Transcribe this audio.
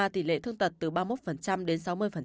tỷ lệ thương tật từ ba mươi một đến sáu mươi